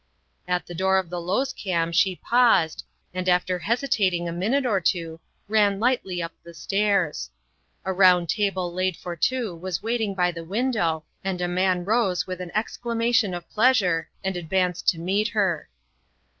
At the door of the Losekam she paused, and, after hesitating a minute or two, ran lightly up the stairs. A round table laid for two was waiting by the window and a man rose with an exclamation of pleasure and advanced to meet her.